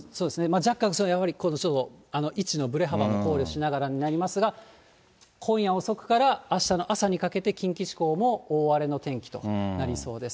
若干、位置のぶれ幅も考慮しながらになりますが、今夜遅くからあしたの朝にかけて、近畿地方も大荒れの天気となりそうです。